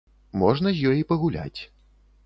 Можна з ёй і пагуляць.